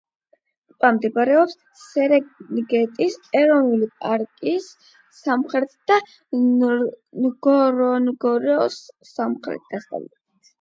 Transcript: ტბა მდებარეობს სერენგეტის ეროვნული პარკის სამხრეთით და ნგორონგოროს სამხრეთ-დასავლეთით.